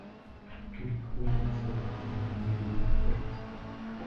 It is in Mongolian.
Гэвч хүүгийн нь сая хэлсэн үг нэг л эвгүй хахир сонстов.